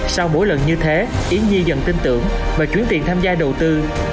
sau mỗi lần như thế yên nhiên dần tin tưởng và chuyển tiền tham gia đầu tư